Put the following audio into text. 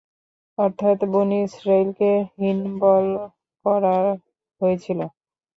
অর্থাৎ বনী ইসরাঈলকে হীনবল করা হয়েছিল।